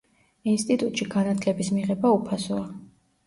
ინსტიტუტში განათლების მიღება უფასოა.